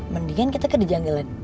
mendingan kita ke dijanggilan